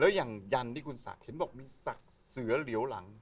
แล้วยังยันที่คุณสักเห็นบอกมีสักเสือเหลวหลัง